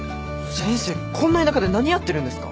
先生こんな田舎で何やってるんですか？